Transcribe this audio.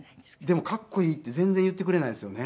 でもかっこいいって全然言ってくれないんですよね。